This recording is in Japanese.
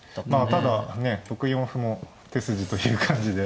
ただ６四歩も手筋という感じで。